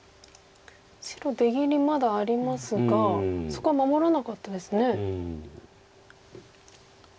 白出切りまだありますがそこは守らなかったですね。